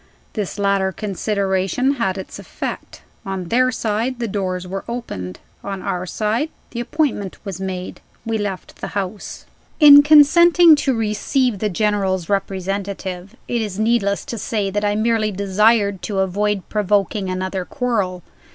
This latter consideration had its effect. On their side, the doors were opened. On our side, the appointment was made. We left the house. IV. IN consenting to receive the General's representative, it is needless to say that I merely desired to avoid provoking another quarrel.